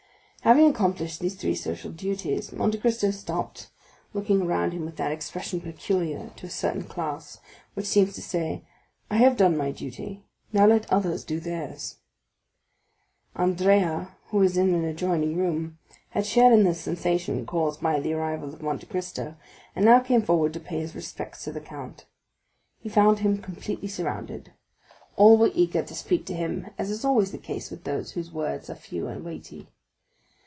Having accomplished these three social duties, Monte Cristo stopped, looking around him with that expression peculiar to a certain class, which seems to say, "I have done my duty, now let others do theirs." Andrea, who was in an adjoining room, had shared in the sensation caused by the arrival of Monte Cristo, and now came forward to pay his respects to the count. He found him completely surrounded; all were eager to speak to him, as is always the case with those whose words are few and weighty.